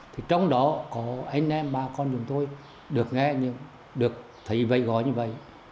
thì trong đó có anh em ba con dùm tôi được nghe được thấy vậy gọi như vậy